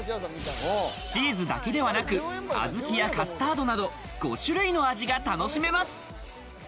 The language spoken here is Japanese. チーズだけではなく、小豆やカスタードなど５種類の味が楽しめます。